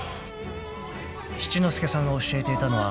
［七之助さんが教えていたのは］